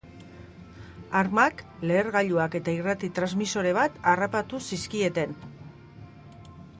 Armak, lehergailuak eta irrati-transmisore bat harrapatu zizkieten.